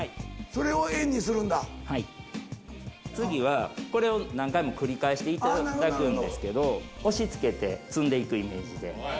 次はこれを何回も繰り返していただくんですけど押し付けて積んでいくイメージで。